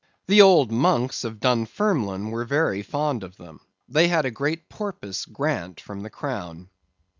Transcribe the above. The old monks of Dunfermline were very fond of them. They had a great porpoise grant from the crown.